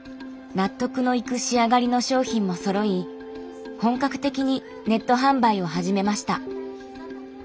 納得のいく仕上がりの商品もそろい本格的にネット販売を始めました。